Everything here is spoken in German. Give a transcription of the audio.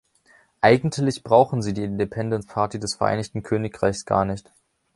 Eigentlich brauchen Sie die Independence Party des Vereinigten Königreichs gar nicht.